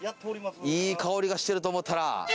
いい香りがしてると思ったら。